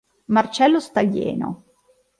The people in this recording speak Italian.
Marcello Staglieno